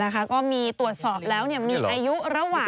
ก็มีตรวจสอบแล้วมีอายุระหว่าง